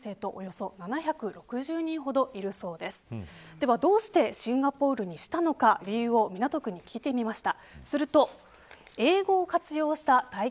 では、どうしてシンガポールにしたのか理由を港区に聞いてみました。